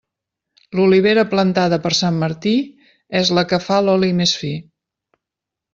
L'olivera plantada per Sant Martí és la que fa l'oli més fi.